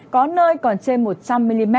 có nơi còn trên một trăm linh mm